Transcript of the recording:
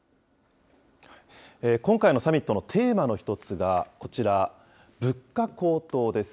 今回のサミットのテーマの一つが、こちら、物価高騰です。